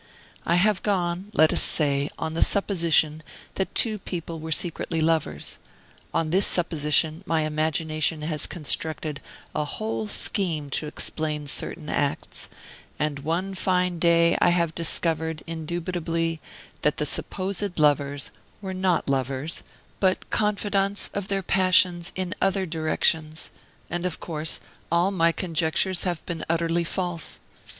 I have gone, let us say, on the supposition that two people were secretly lovers; on this supposition my imagination has constructed a whole scheme to explain certain acts, and one fine day I have discovered indubitably that the supposed lovers were not lovers, but confidants of their passions in other directions, and, of course, all my conjectures have been utterly false.